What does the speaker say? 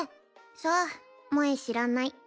さあ萌知らない。